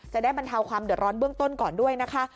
บรรเทาความเดือดร้อนเบื้องต้นก่อนด้วยนะคะ